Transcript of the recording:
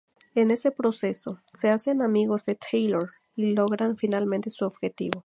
En ese proceso, se hacen amigos de Taylor y logran finalmente su objetivo.